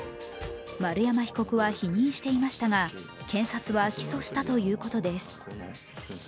丸山被告は否認していましたが、検察は起訴したということです。